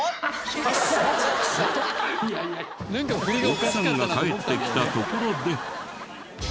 奥さんが帰ってきたところで。